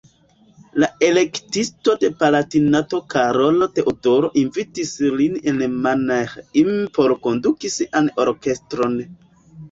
La Elektisto de Palatinato Karolo Teodoro invitis lin en Mannheim por konduki sian orkestron.